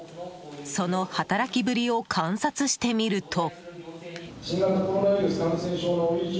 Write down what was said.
その働きぶりを観察してみると。